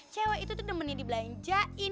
cewek itu tuh temennya dibelanjain